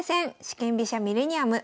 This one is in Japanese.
四間飛車ミレニアム」